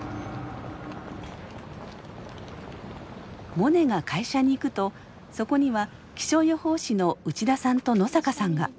モネが会社に行くとそこには気象予報士の内田さんと野坂さんが。